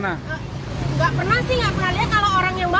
enggak pernah sih enggak pernah lihat kalau orang yang bawa